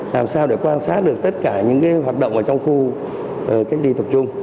làm sao để quan sát được tất cả những hoạt động ở trong khu cách ly tập trung